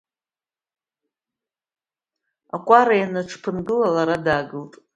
Акәара ианааҽԥынгыла, лара даагылт.